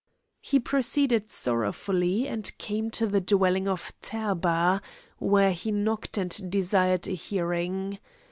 He proceeded sorrowfully, and came to the dwelling of Therba, where he knocked and desired a hearing.